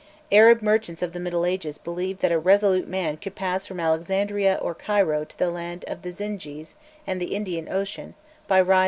Arab merchants of the Middle Ages believed that a resolute man could pass from Alexandria or Cairo to the land of the Zindjes and the Indian Ocean by rising from river to river.